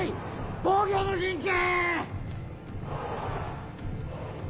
防御の陣形！